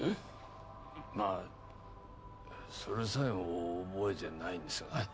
まあそれさえも覚えてないんですがね。